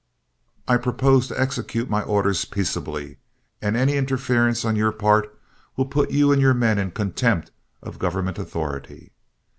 I propose to execute my orders peaceably, and any interference on your part will put you and your men in contempt of government authority.